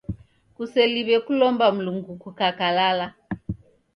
Kuseliw'e kulomba Mlungu kukakalala.